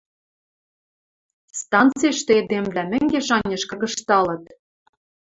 Станцийышты эдемвлӓ мӹнгеш-анеш кыргыжталыт.